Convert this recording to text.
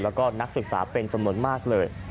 แล้วก็นักศึกษาเป็นจำนวนมากเลย